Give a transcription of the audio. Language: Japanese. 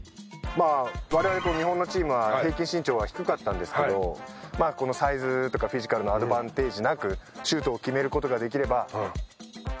我々日本のチームは平均身長が低かったんですけどこのサイズっていうかフィジカルのアドバンテージなくシュートを決める事ができれば。